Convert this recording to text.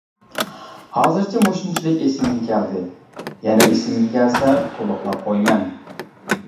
ھازىرچە مۇشۇنچىلىك ئېسىمگە كەلدى، يەنە ئېسىمگە كەلسە تولۇقلاپ قويىمەن.